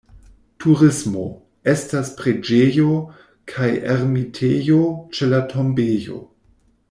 Turismo: estas preĝejo kaj ermitejo ĉe la tombejo.